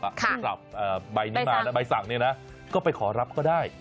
พับหลับใบสั่งเนี่ยนะก็ไปขอรับก็ได้